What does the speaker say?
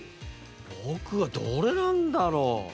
僕は、どれなんだろう。